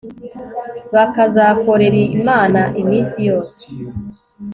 bakazakorera imana iminsi yose